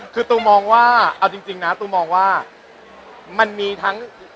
คือตูมองว่าเอาจริงของตูมองว่า